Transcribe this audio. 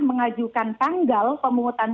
mengajukan tanggal pemungutan